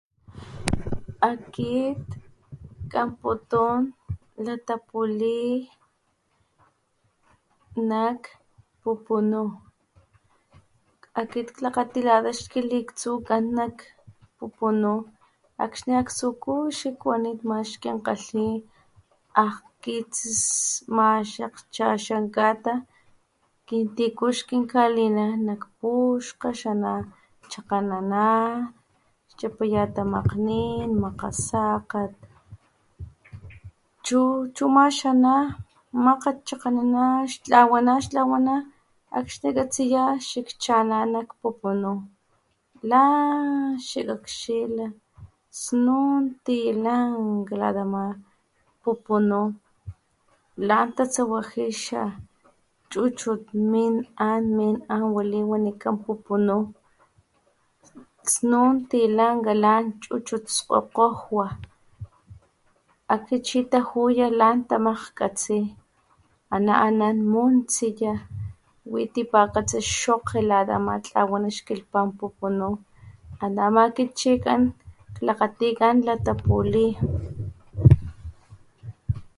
Akit kanputun latapuli nak pupunu akit klakgati lata xkiliaktsu nak pupunu akxni aktsujku xikkuanit max kinkalhi akgkitsis max akgchaxan kata kintiku xkinkalina nak puxkga xana chakganana xchapaya tamakgnin makgasakgat chu ama xana makgat chakganana xtlawana xtlawana akxni xkatsiya xchamanawa nak pupunu lan xikakxila snun tilanka lata ama pupunu lan tatsawaji xachuchut min an min an wali wanikan pupunu snun tilanka lan chcuhut skgokgojwa akxni chi tajuya lan tamakgkgatsi ana anan muntsiya wi tipakgatsi xokge la ama tlawan xkilhpan pupunun ana ama kit chi klakgati kan latapuli.